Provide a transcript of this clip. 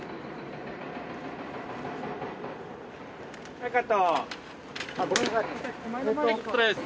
はいカット。